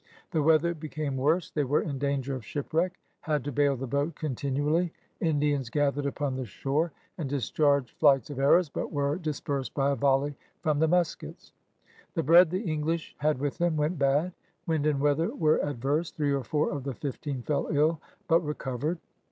The weather became worse; they were in danger of shipwreck — had to bail the boat continually. Indians gathered upon the shore and discharged flights of arrows, but were dispersed by a volley from the muskets. The bread the English had with them went bad. Wind and weather were adverse; three or four of the fifteen fell ill, but recovered.